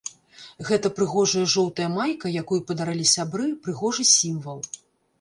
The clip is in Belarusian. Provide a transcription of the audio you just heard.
Гэта прыгожая жоўтая майка, якую падарылі сябры, прыгожы сімвал.